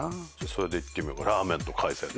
それでいってみようかラーメンと海鮮丼。